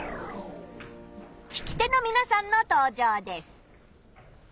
聞き手のみなさんの登場です。